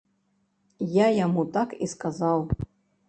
Я яму так і сказаў.